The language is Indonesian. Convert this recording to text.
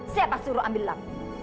siapa suruh ambil lampu